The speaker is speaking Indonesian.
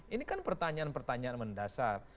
ini kan pertanyaan pertanyaan mendasar